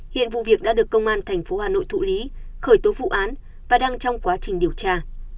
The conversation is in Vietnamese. hiện vụ việc đã được công an tp hà nội thụ lý khởi tố vụ án và đang trong quá trình điều tra